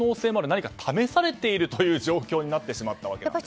何か試されている状況になってしまったわけです。